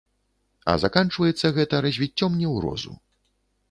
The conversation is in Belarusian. А заканчваецца гэта развіццём неўрозу.